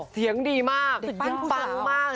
เสียงดีมากฟังมาก